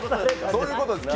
そういうことですよね。